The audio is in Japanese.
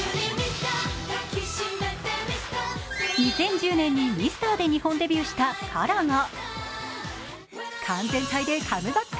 ２０１０年に「ミスター」で日本デビューしたＫＡＲＡが完全体でカムバック。